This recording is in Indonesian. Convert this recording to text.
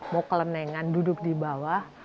mau kelenengan duduk di bawah